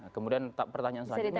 kemudian pertanyaan selanjutnya